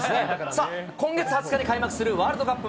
さあ、今月２０日に開幕するワールドカップ